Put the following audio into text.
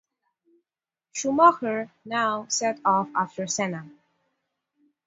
Schumacher now set off after Senna.